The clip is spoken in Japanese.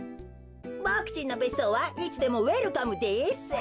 ボクちんのべっそうはいつでもウエルカムです。